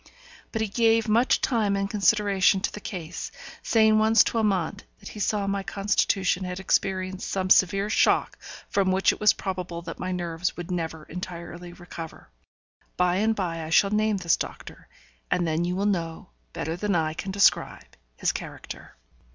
But he gave much time and consideration to the case, saying once to Amante that he saw my constitution had experienced some severe shock from which it was probable that my nerves would never entirely recover. By and by I shall name this doctor, and then you will know, better than I can describe, his character.